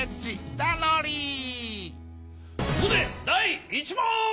そこでだい１もん！